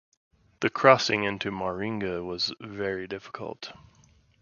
The crossing into Mauringa was very difficult.